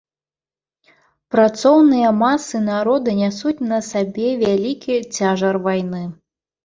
Працоўныя масы народа нясуць на сабе вялікі цяжар вайны.